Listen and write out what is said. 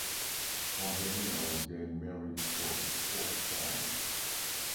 Angelina was getting married for the fourth time.